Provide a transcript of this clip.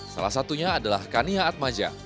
salah satunya adalah kania atmaja